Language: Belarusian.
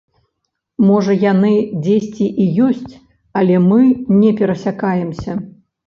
Можа яны дзесьці і ёсць, але мы не перасякаемся.